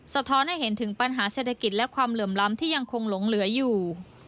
สะท้อนให้เห็นถึงปัญหาเศรษฐกิจและความเหลื่อมล้ำที่ยังคงหลงเหลืออยู่